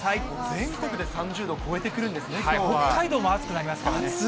全国で３０度を超えてくるん北海道も暑くなりますからね。